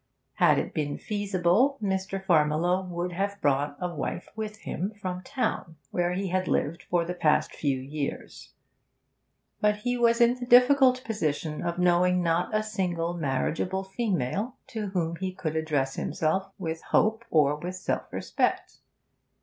Had it been feasible, Mr. Farmiloe would have brought a wife with him from the town where he had lived for the past few years, but he was in the difficult position of knowing not a single marriageable female to whom he could address himself with hope or with self respect.